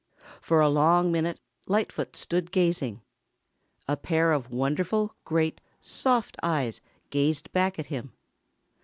For a long minute Lightfoot stood gazing. A pair of wonderful, great, soft eyes gazed back at him.